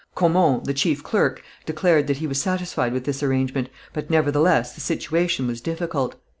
Caumont, the chief clerk, declared that he was satisfied with this arrangement, but nevertheless the situation was difficult.